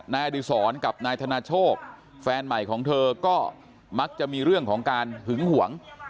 อดิษรกับนายธนาโชคแฟนใหม่ของเธอก็มักจะมีเรื่องของการหึงหวง